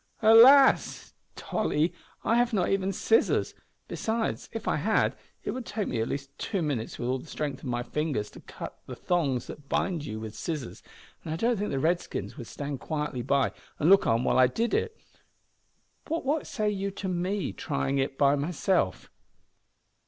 "Alas! Tolly, I have not even scissors; besides, if I had, it would take me at least two minutes with all the strength of my fingers to cut the thongs that bind you with scissors, and I don't think the Redskins would stand quietly by and look on while I did it. But what say you to me trying it by myself?"